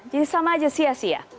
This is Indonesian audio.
jadi sama saja sia sia